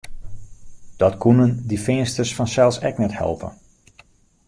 Dat koenen dy Feansters fansels ek net helpe.